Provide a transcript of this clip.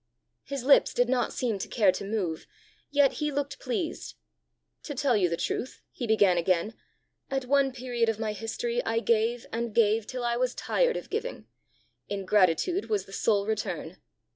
His lips did not seem to care to move, yet he looked pleased. "To tell you the truth," he began again, "at one period of my history I gave and gave till I was tired of giving! Ingratitude was the sole return.